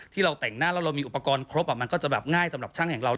ที่เราแต่งหน้าแล้วเรามีอุปกรณ์ครบมันก็จะแบบง่ายสำหรับช่างแห่งเรา